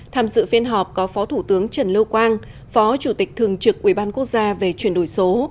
tham dự phiên họp có phó thủ tướng trần lâu quang phó chủ tịch thường trực quỹ ban quốc gia về chuyển đổi số